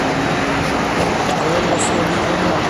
格罗索立功啦！